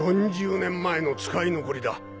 ４０年前の使い残りだ。